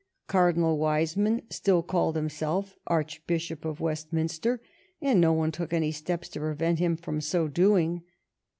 Cardinal Wiseman still called himself Archbishop of Westminster, and no one took any steps to prevent him from so doing.